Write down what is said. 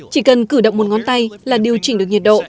chỉ cần cử động một ngón tay là điều chỉnh được nhiệt độ